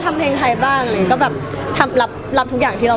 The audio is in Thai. แต่จริงแล้วเขาก็ไม่ได้กลิ่นกันว่าถ้าเราจะมีเพลงไทยก็ได้